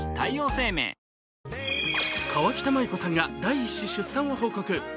河北麻友子さんが第１子出産を報告。